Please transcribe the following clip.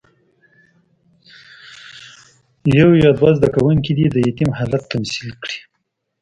یو یا دوه زده کوونکي دې د یتیم حالت تمثیل کړي.